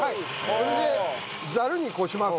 それでザルにこします。